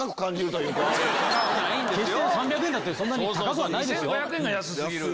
決して３００円だってそんなに高くはないですよ。